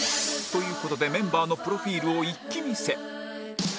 という事でメンバーのプロフィールを一気見せ